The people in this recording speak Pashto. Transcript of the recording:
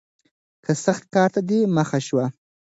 که سخت کار ته دې مخه شوه